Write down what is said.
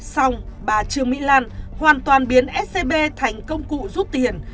xong bà trương mỹ lan hoàn toàn biến scb thành công cụ rút tiền